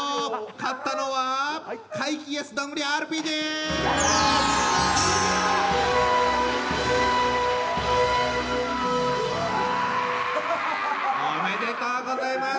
やった！おめでとうございます。